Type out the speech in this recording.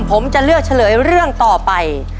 ผมจะเลือกเฉลยเรื่องต่อไป